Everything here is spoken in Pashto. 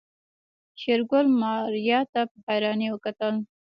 شېرګل ماريا ته په حيرانۍ وکتل.